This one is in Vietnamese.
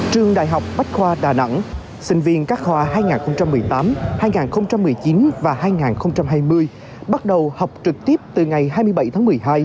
trường đại học bách khoa đà nẵng sinh viên các khoa hai nghìn một mươi tám hai nghìn một mươi chín và hai nghìn hai mươi bắt đầu học trực tiếp từ ngày hai mươi bảy tháng một mươi hai